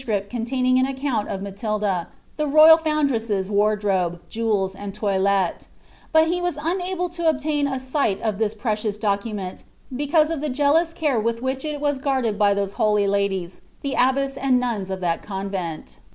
containing an account of ttatil'la, (he roval foundress's wardrobe, jewels, and toilette ; but he was unable to obtain a sight of (his precious document, because of the jealous care with which it was guarded by those holy ladies, the abbess and nuns of that convent.'